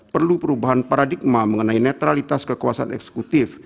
perlu perubahan paradigma mengenai netralitas kekuasaan eksekutif